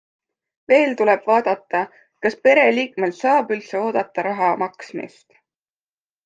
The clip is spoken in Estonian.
Veel tuleb vaadata, kas pereliikmelt saab üldse oodata raha maksmist.